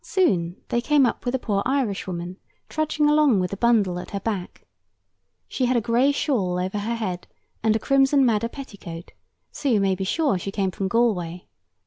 Soon they came up with a poor Irishwoman, trudging along with a bundle at her back. She had a gray shawl over her head, and a crimson madder petticoat; so you may be sure she came from Galway.